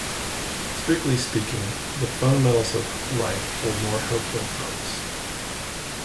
Strictly speaking, the fundamentals of life hold more hope than promise.